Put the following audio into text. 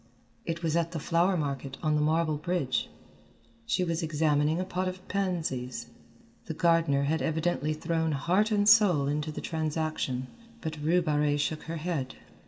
It was at the flower market on the marble bridge. She was examining a pot of pansies. The gardener had evidently thrown heart and soul into the transaction, but Rue Barrée shook her head.